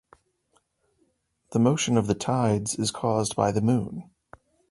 The motion of the tides is caused by the moon.